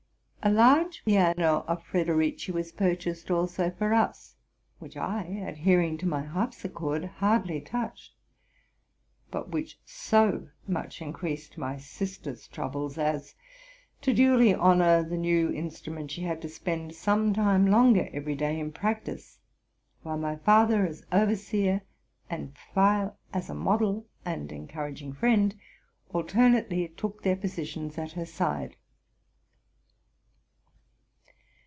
<A large piano of Frederici was purchased also for us, which I, adhering to my harpsichord, hardly touched; but which so much in ereased my sister's troubles, as, to duly honor the new in strument, she had to spend some time longer every day in practice; while my father, as overseer, and Pfeil, as a model and encouraging friend, alternately took their posi tions at her side.